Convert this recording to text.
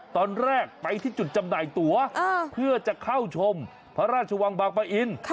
ตอนแรกไปที่จุดจำหน่ายตัวเพื่อจะเข้าชมพระราชวังบางปะอิน